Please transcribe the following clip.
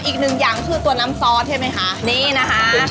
อีกหนึ่งอย่างก็คือตัวน้ำซอสใช่ไหมคะนี่นะคะ